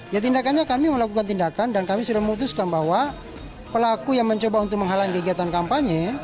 ya tindakannya kami melakukan tindakan dan kami sudah memutuskan bahwa pelaku yang mencoba untuk menghalangi kegiatan kampanye